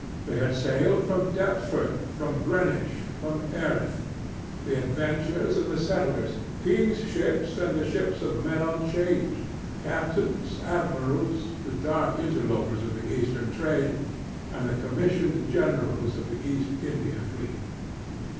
They had sailed from Deptford, from Greenwich, from Erith the adventurers and the settlers; kings' ships and the ships of men on 'Change; captains, admirals, the dark "interlopers" of the Eastern trade, and the commissioned "generals" of East India fleets.